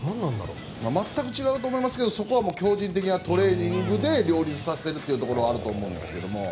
全く違うと思いますけどそこは強じんなトレーニングで両立させてるってところはあると思うんですが。